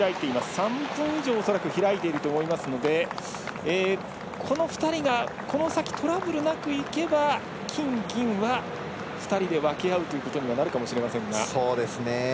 ３分以上恐らく開いていると思いますのでこの２人が、この先トラブルなくいけば金、銀は、２人で分け合うということになるかもしれませんが。